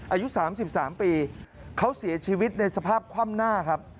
อายุ๓๓ปีเขาเสียชีวิตในสภาพคว่ำหน้าครับ